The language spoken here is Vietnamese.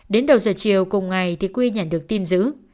đến đầu giờ chiều cùng ngày thì quy nhận được tin giữ